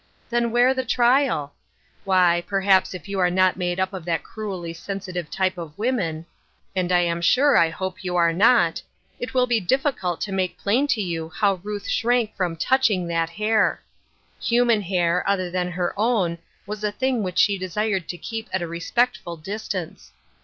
Then where the trial? Why, perhaps, if you are not made up of that cruelly sensitive type of women — and I am sure I hope you are not — it will be difficult to make plain to you how Ruth shrank from touching that hair! Human hair, other than her own was a thing which she desired to keep at a respect ful distance.